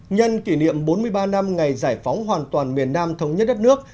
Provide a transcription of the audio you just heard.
nhân kỷ niệm bốn mươi ba năm ngày giải phóng hoàn toàn miền nam thống nhất đất nước